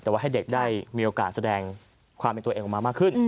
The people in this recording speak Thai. แต่ว่าให้เด็กได้มีโอกาสแสดงความเป็นตัวเองออกมามากขึ้น